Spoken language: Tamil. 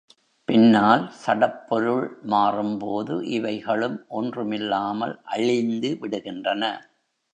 பின்னால் சடப்பொருள் மாறும்போது, இவைகளும் ஒன்றுமில்லாமல் அழிந்து விடுகின்றன.